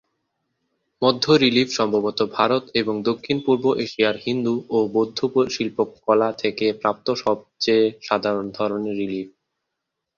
মধ্য-রিলিফ সম্ভবত ভারত এবং দক্ষিণ-পূর্ব এশিয়ায় হিন্দু ও বৌদ্ধ শিল্পকলা থেকে প্রাপ্ত সবচেয়ে সাধারণ ধরনের রিলিফ।